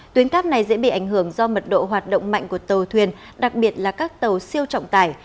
tuyến cáp này dễ bị ảnh hưởng do mật độ hoạt động mạnh của tàu thuyền đặc biệt là các tàu siêu trọng tải